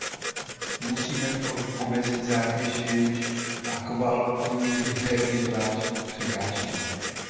Musíme omezit zátěž, jež akvakultuře vytváří překážky.